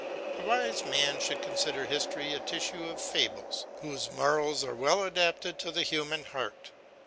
A wise man should consider history a tissue of fables whose morals are well adapted to the human heart.